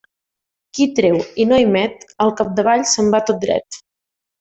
Qui treu i no hi met, al capdavall se'n va tot dret.